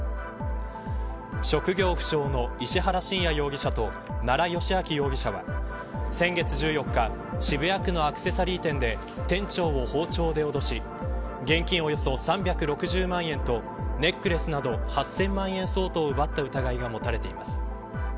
職業不詳の石原信也容疑者と奈良幸晃容疑者は先月１４日渋谷区のアクセサリー店で店長を包丁で脅し現金およそ３６０万円とネックレスなど８０００万円相当を奪った疑いが持たれています。